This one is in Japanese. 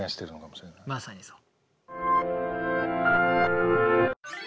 まさにそう。